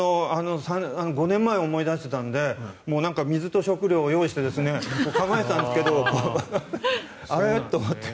５年前を思い出していたので水と食料を用意して構えてたんですけどあれ？と思って。